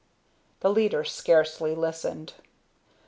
The leader scarcely listened.